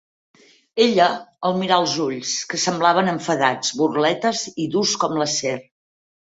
Ella el mira als ulls, que semblaven enfadats, burletes i durs com l'acer.